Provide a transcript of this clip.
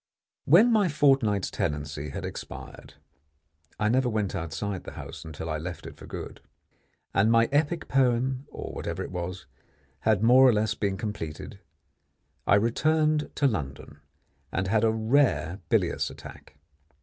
When my fortnight's tenancy had expired I never went outside the house until I left it for good and my epic poem, or whatever it was, had more or less been completed, I returned to London, and had a rare bilious attack.